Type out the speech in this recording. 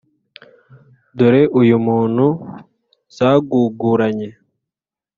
Dore uyu muntu zaguguranye